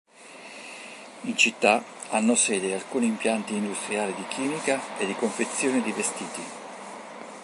In città hanno sede alcuni impianti industriali di chimica e di confezioni di vestiti.